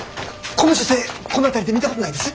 この女性この辺りで見たことないです？